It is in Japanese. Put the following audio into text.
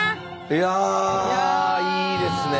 いやいいですね。